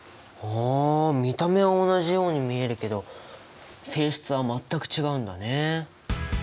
あ見た目は同じように見えるけど性質は全く違うんだね！